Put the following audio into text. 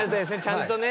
ちゃんとね。